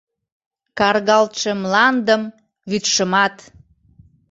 Каргалтше мландым, вӱдшымат.